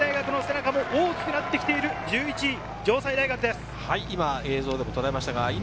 東海大学の背中も大きくなってきている１１位、城西大学です。